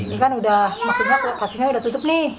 ini kan udah maksudnya kasusnya udah tutup nih